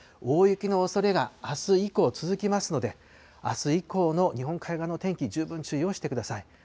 大雪のおそれがあす以降、続きますので、あす以降の日本海側の天気、十分注意をしてください。